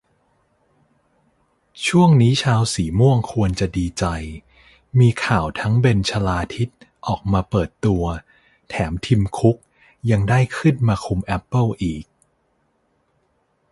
ช่วงนี้ชาวสีม่วงควรจะดีใจ มีข่าวทั้งเบนชลาทิศออกมาเปิดตัว แถมทิมคุกยังได้ขึ้นมาคุมแอปเปิ้ลอีก